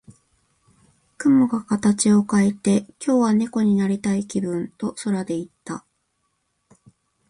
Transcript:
雲が形を変えて、「今日は猫になりたい気分」と空で言った。